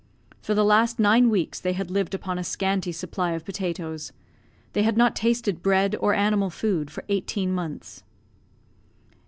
For the last nine weeks they had lived upon a scanty supply of potatoes; they had not tasted raised bread or animal food for eighteen months.